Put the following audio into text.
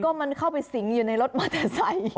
ก็มันเข้าไปสิงอยู่ในรถมอเตอร์ไซค์